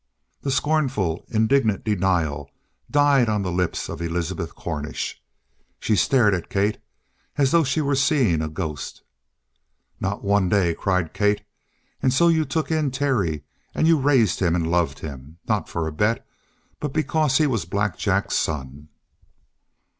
The scornful, indignant denial died on the lips of Elizabeth Cornish. She stared at Kate as though she were seeing a ghost. "Not one day!" cried Kate. "And so you took in Terry, and you raised him and loved him not for a bet, but because he was Black Jack's son!"